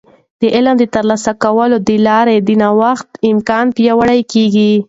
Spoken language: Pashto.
د علم د ترلاسه کولو د لارې د نوښت امکان پیاوړی کیږي.